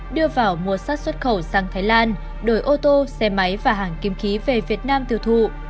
đưa vào mua sắt xuất khẩu sang thái lan đổi ô tô xe máy và hàng kim khí về việt nam tiêu thụ